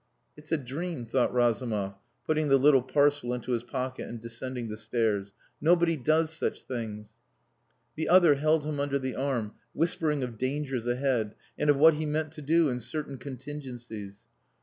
"It's a dream," thought Razumov, putting the little parcel into his pocket and descending the stairs; "nobody does such things." The other held him under the arm, whispering of dangers ahead, and of what he meant to do in certain contingencies.